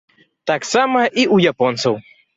Таксама і ў японцаў.